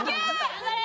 頑張れ！